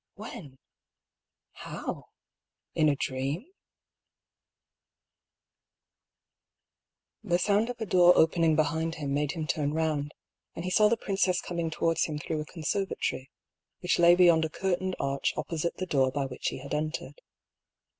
When ? How ? In a dream ? The sound of a door opening behind him made him turn round, and he saw the princess coming towards him through a conservatory which lay beyond a cur tained arch opposite the door by which he had entered.